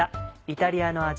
イタリアの味